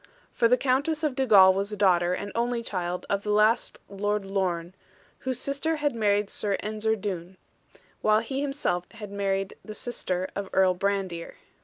For the Countess of Dugal was daughter, and only child, of the last Lord Lorne, whose sister had married Sir Ensor Doone; while he himself had married the sister of Earl Brandir.